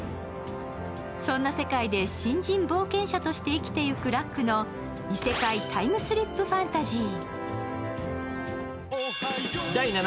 そんな世界で新人冒険者として生きていく、ラックの異世界タイムスリップファンタジー。